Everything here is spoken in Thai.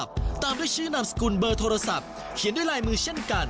เอาไว้ใช้กับเธอนะจ๊ะ